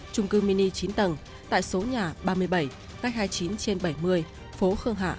trung cư mini chín tầng tại số nhà ba mươi bảy ngách hai mươi chín trên bảy mươi phố khương hạ